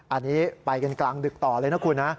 อันนี้ไปกันกลางดึกต่อเลยนะคุณนะ